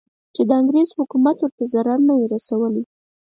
چې د انګریز حکومت ورته ضرر نه وي رسولی.